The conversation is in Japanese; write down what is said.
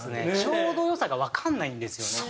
ちょうどよさがわかんないんですよね。